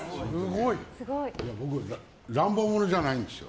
僕、乱暴者じゃないんですよ。